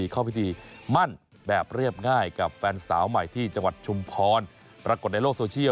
เข้าพิธีมั่นแบบเรียบง่ายกับแฟนสาวใหม่ที่จังหวัดชุมพรปรากฏในโลกโซเชียล